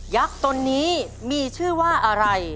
ักษ์ตนนี้มีชื่อว่าอะไร